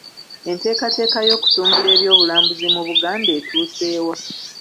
Enteekateeka y'okutumbula eby'obulambuzi mu Buganda etuuse wa?